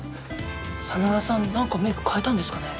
真田さんなんかメイク変えたんですかね？